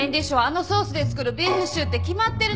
あのソースで作るビーフシチューって決まってるの。